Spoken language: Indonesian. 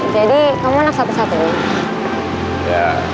jadi kamu anak satu satu ya